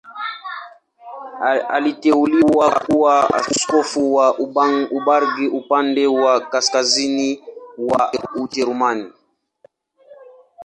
Aliteuliwa kuwa askofu wa Hamburg, upande wa kaskazini wa Ujerumani.